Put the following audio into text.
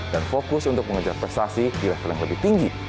dan fokus untuk mengejar prestasi di level yang lebih tinggi